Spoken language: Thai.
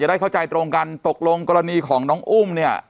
ได้เข้าใจตรงกันตกลงกรณีของน้องอุ้มเนี่ย